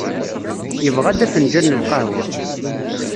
Yebɣa-d afenǧal n lqahwa.